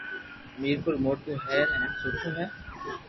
ميرپور موٽو ھير ھين سٺو ھي